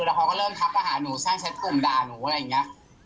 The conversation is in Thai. แล้วเขาก็เริ่มทักมาหาหนูช่างเซ็ตกลุ่มด่าหนูอะไรอย่างนี้